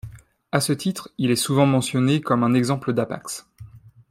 À ce titre, il est souvent mentionné comme exemple d'hapax.